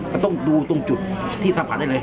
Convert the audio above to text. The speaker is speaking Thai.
ก็ต้องดูตรงจุดที่สัมผัสได้เลย